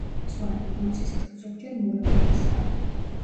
მწვანე, მოცისფრო, ზოგჯერ მურა ფერისაა.